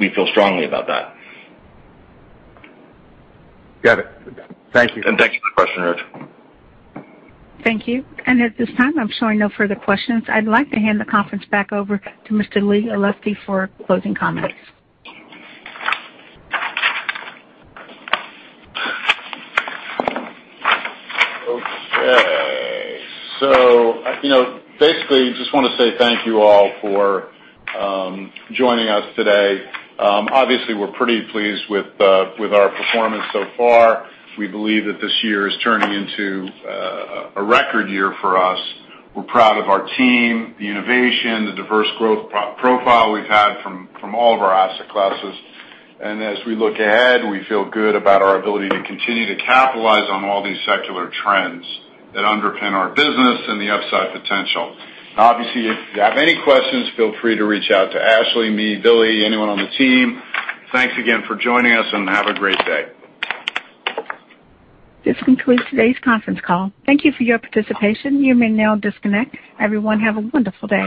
We feel strongly about that. Got it. Thank you. Thank you for the question, Rich. Thank you. At this time, I'm showing no further questions. I'd like to hand the conference back over to Mr. Lee Olesky for closing comments. Okay. You know, basically just wanna say thank you all for joining us today. Obviously, we're pretty pleased with our performance so far. We believe that this year is turning into a record year for us. We're proud of our team, the innovation, the diverse growth profile we've had from all of our asset classes. As we look ahead, we feel good about our ability to continue to capitalize on all these secular trends that underpin our business and the upside potential. Obviously, if you have any questions, feel free to reach out to Ashley, me, Billy, anyone on the team. Thanks again for joining us, and have a great day. This concludes today's conference call. Thank you for your participation. You may now disconnect. Everyone, have a wonderful day.